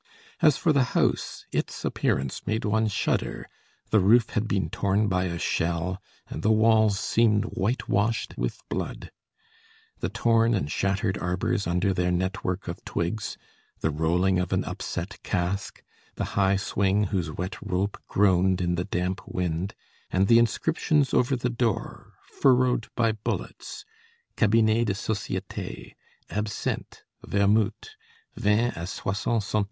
As for the house, its appearance made one shudder; the roof had been torn by a shell, and the walls seemed whitewashed with blood. The torn and shattered arbors under their network of twigs, the rolling of an upset cask, the high swing whose wet rope groaned in the damp wind, and the inscriptions over the door, furrowed by bullets; "Cabinets de societé Absinthe Vermouth Vin à 60 cent.